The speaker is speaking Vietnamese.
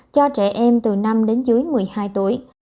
cho trẻ em từ năm đến dưới một mươi hai tuổi